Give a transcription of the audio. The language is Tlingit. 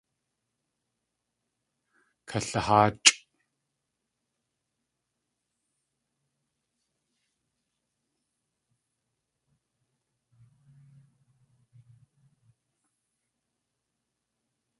Kaliháachʼ.